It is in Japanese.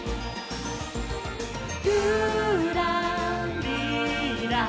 「ぴゅらりら」